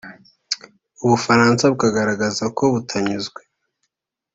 u Bufaransa bukagaragaza ko butanyuzwe